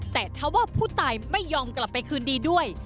แต่ถ้าว่าผู้ตายไม่ยอมกลับไปคืนดีด้วย